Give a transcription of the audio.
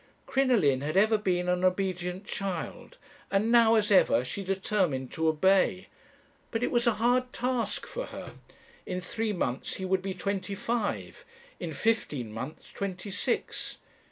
"Crinoline had ever been an obedient child, and now, as ever, she determined to obey. But it was a hard task for her. In three months he would be twenty five in fifteen months twenty six.